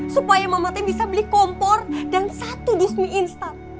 supaya mama teh bisa beli kompor dan satu dusmi instan